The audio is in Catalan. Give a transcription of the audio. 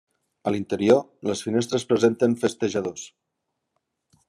A l'interior, les finestres presenten festejadors.